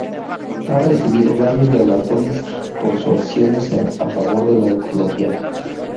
Ha recibido varios galardones por su acciones a favor de la ecología.